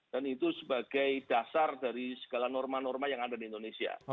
dan itu sebagai dasar dari segala norma norma yang ada di indonesia